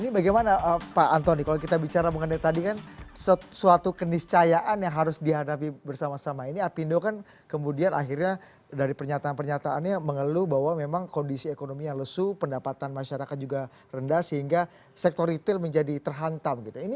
ini bagaimana pak antoni kalau kita bicara mengenai tadi kan suatu keniscayaan yang harus dihadapi bersama sama ini apindo kan kemudian akhirnya dari pernyataan pernyataannya mengeluh bahwa memang kondisi ekonomi yang lesu pendapatan masyarakat juga rendah sehingga sektor retail menjadi terhantam gitu